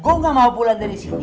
gue gak mau pulang dari sini